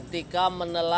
silahkan beli ya